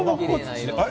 あれ？